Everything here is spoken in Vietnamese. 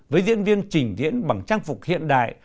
với diễn viên trình diễn bằng trang phục hiện đại